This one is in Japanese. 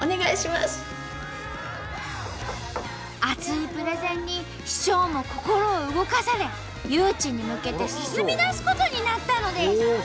熱いプレゼンに市長も心を動かされ誘致に向けて進みだすことになったのです。